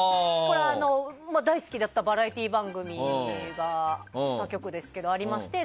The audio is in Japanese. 大好きだったバラエティー番組が他局ですけどありまして